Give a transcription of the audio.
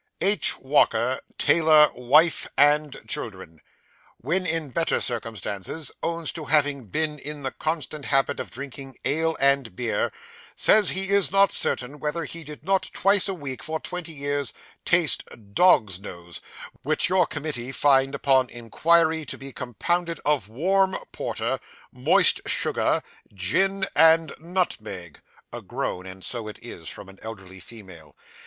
'H. Walker, tailor, wife, and two children. When in better circumstances, owns to having been in the constant habit of drinking ale and beer; says he is not certain whether he did not twice a week, for twenty years, taste "dog's nose," which your committee find upon inquiry, to be compounded of warm porter, moist sugar, gin, and nutmeg (a groan, and 'So it is!' from an elderly female).